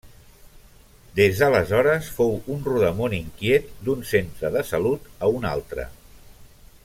Des d'aleshores fou un rodamón inquiet, d'un centre de salut a un altre.